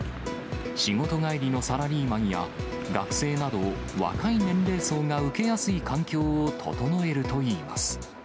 仕事帰りのサラリーマンや学生など若い年齢層が受けやすい環境を整えるといいます。